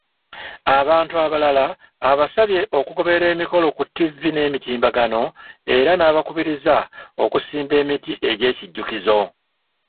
Abantu abalala, abasabye okugoberera emikolo ku ttivvi n'emitimbagano era n'abakubiriza okusimba emiti egy'ekijjukizo.